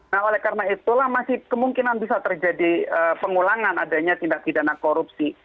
nah oleh karena itulah masih kemungkinan bisa terjadi pengulangan adanya tindak pidana korupsi